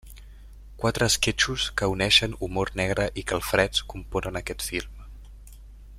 Quatre esquetxos que uneixen humor negre i calfreds componen aquest film.